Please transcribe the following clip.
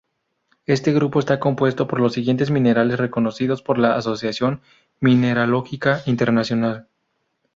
Este grupo esta compuesto por los siguientes minerales reconocidos por la Asociación Mineralógica Internacional;